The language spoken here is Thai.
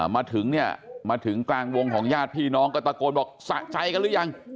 มาถึงเนี่ยมาถึงกลางวงของญาติพี่น้องก็ตะโกนบอกสะใจกันหรือยัง